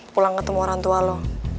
pulang ketemu orang tua lo